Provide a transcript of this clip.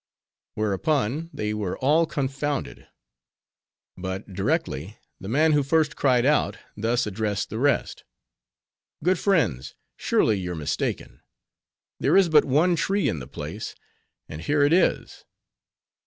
Whereupon they were all confounded: but directly, the man who first cried out, thus addressed the rest: Good friends, surely you're mistaken. There is but one tree in the place, and here it is.